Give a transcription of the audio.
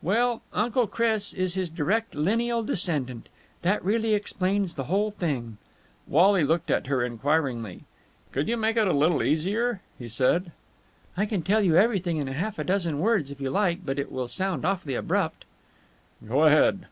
"Well, Uncle Chris is his direct lineal descendant. That really explains the whole thing." Wally looked at her enquiringly. "Could you make it a little easier?" he said. "I can tell you everything in half a dozen words, if you like. But it will sound awfully abrupt." "Go ahead."